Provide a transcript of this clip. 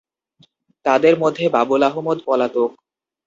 তাঁদের মধ্যে বাবুল আহমদ পলাতক।